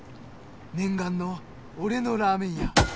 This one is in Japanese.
念願の俺のラーメン屋。